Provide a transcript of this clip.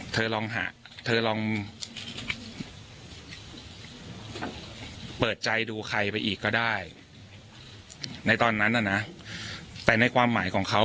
ลองหาเธอลองเปิดใจดูใครไปอีกก็ได้ในตอนนั้นน่ะนะแต่ในความหมายของเขา